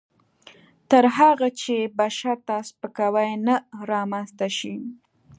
تر هغه چې بشر ته سپکاوی نه رامنځته شي.